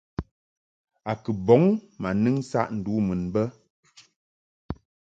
A kɨ bɔŋ ma nɨŋ saʼ ndu mun bə.